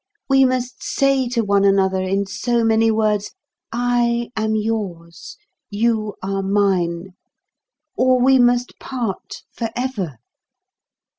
We must say to one another in so many words, 'I am yours; you are mine;' or we must part forever.